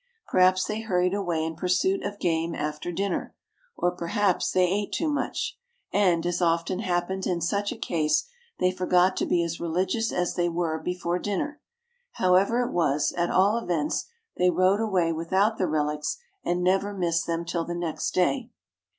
"Perhaps they hurried away in pursuit of game after dinner, or perhaps they ate too much, and, as often happens in such a case, they forgot to be as religious as they were before dinner. However it was, at all events they rode away without the relics, and never missed them till the next day.